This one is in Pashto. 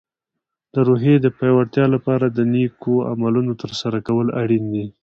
د روحیې د پیاوړتیا لپاره د نیکو عملونو ترسره کول اړین دي.